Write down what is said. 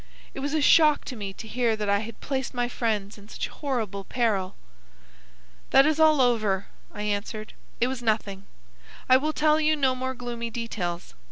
It was a shock to me to hear that I had placed my friends in such horrible peril." "That is all over," I answered. "It was nothing. I will tell you no more gloomy details.